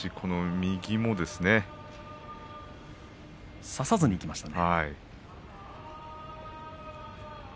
右は差さずにいきましたね。